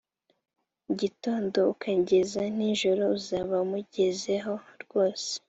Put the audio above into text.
gitondo ukageza nijoro uzaba umazeho rwose